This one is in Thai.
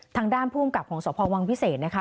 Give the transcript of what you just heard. ทางด้านภูมิกับของสพวังวิเศษนะคะ